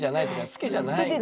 好きじゃない。